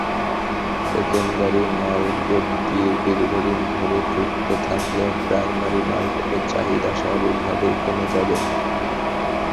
Secondary market দীর্ঘদিন ধরে ধুঁকতে থাকলে প্রাইমারি মার্কেটের চাহিদা স্বাভাবিকভাবেই কমে যাবে।